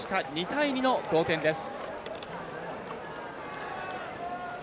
２対２の同点です。